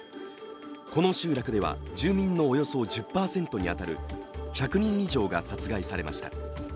この集落では住民のおよそ１０％に当たる１００人以上が殺害されました。